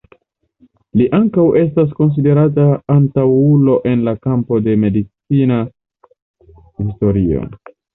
Li ankaŭ estas konsiderata antaŭulo en la kampo de medicina historio.